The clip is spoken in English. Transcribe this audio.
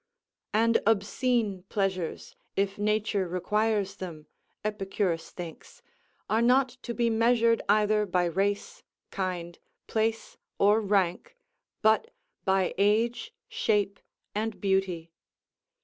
_ "And obscene pleasures, if nature requires them," Epicurus thinks, "are not to be measured either by race, kind, place, or rank, but by age, shape, and beauty....